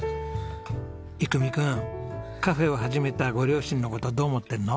郁海くんカフェを始めたご両親の事どう思ってるの？